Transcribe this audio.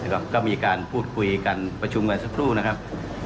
ก็มีการพูดคุยกันประชุมกันสักครู่นะครับ